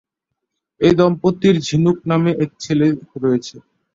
এই দম্পতির ঝিনুক নামে এক ছেলে রয়েছে।